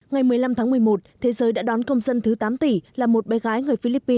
ngày một mươi năm tháng một mươi một thế giới đã đón công dân thứ tám tỷ là một bé gái người philippines